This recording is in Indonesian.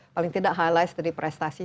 paling tidak highlight dari prestasi